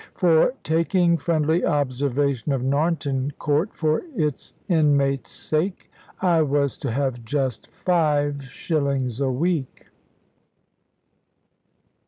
For taking friendly observation of Narnton Court, for its inmates' sake, I was to have just five shillings a week!